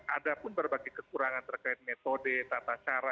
ada pun berbagai kekurangan terkait metode tata cara